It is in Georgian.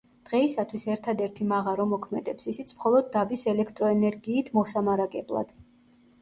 დღეისათვის ერთადერთი მაღარო მოქმედებს, ისიც მხოლოდ დაბის ელექტროენერგიით მოსამარაგებლად.